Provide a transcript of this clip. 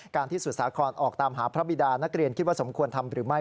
ที่สุดสาครออกตามหาพระบิดานักเรียนคิดว่าสมควรทำหรือไม่